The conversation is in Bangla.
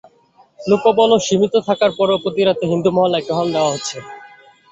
লোকবল সীমিত থাকার পরও প্রতি রাতে হিন্দু মহল্লায় টহল দেওয়া হচ্ছে।